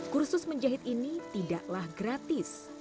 kursus menjahit ini tidaklah gratis